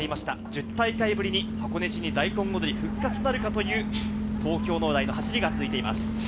１０大会ぶりに箱根路に大根踊り復活なるかという、東京農大の走りが続いています。